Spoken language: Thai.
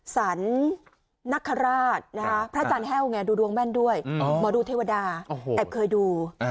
สรรนคราชพระอาจารย์แห้วไงดูดวงแม่นด้วยหมอดูเทวดาแอบเคยดู